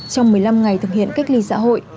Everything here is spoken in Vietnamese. trong một mươi năm ngày thực hiện cách ly xã hội